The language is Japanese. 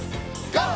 ＧＯ！